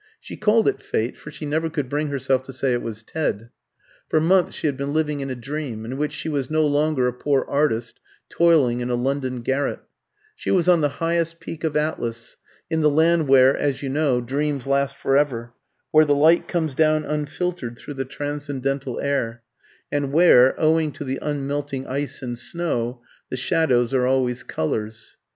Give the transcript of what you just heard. She called it Fate, for she never could bring herself to say it was Ted. For months she had been living in a dream, in which she was no longer a poor artist toiling in a London garret: she was on the highest peak of Atlas, in the land where, as you know, dreams last forever, where the light comes down unfiltered through the transcendental air, and where, owing to the unmelting ice and snow, the shadows are always colours.